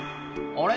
あれ？